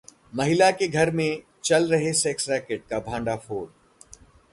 महिला के घर में चल रहे सेक्स रैकेट का भंडाफोड़